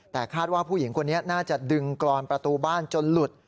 แต่คาดว่าผู้หญิงคนนี้น่าจะดึงกรอนประตูบ้านจนหลุด